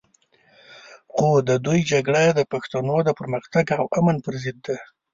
خو د دوی جګړه د پښتنو د پرمختګ او امن پر ضد ده.